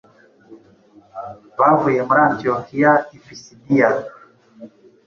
Bavuye muri Antiyokiya i Pisidiya,